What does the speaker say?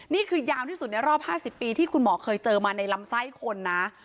นี่คือยาวที่สุดในรอบ๕๐ปีที่คุณหมอเคยเจอมาในลำไส้คนนะ